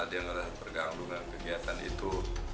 dia ngerasa terganggu dengan kegiatan itu